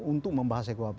untuk membahas kuhp